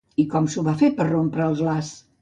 I com s'ho va fer per rompre el glaç?